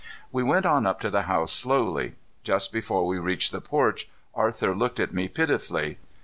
We went on up to the house slowly. Just before we reached the porch Arthur looked at me pitifully.